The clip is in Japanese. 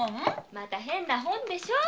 また変な本でしょ。